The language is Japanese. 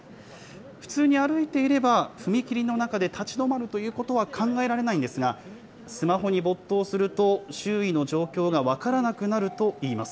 普通に歩いていれば、踏切の中で立ち止まるということは考えられないんですが、スマホに没頭すると、周囲の状況が分からなくなるといいます。